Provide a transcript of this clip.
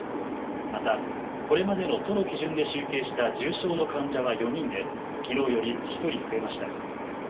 また、これまでの都の基準で集計した重症の患者は４人できのうより１人増えました。